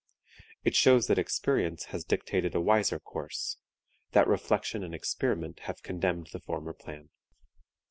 It shows that experience has dictated a wiser course; that reflection and experiment have condemned the former plan.